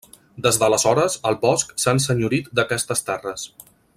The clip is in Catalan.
Des d'aleshores, el bosc s'ha ensenyorit d'aquestes terres.